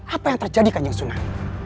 apa yang terjadi kanjeng sunan